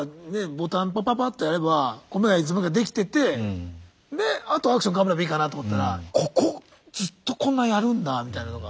ボタンパパパッとやれば米がいつの間にか出来ててであとアクション頑張ればいいかなと思ったら「ここずっとこんなやるんだ」みたいなのが。